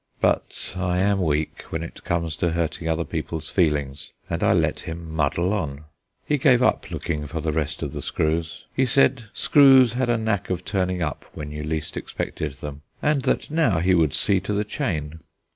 But I am weak when it comes to hurting other people's feelings, and I let him muddle on. He gave up looking for the rest of the screws. He said screws had a knack of turning up when you least expected them; and that now he would see to the chain.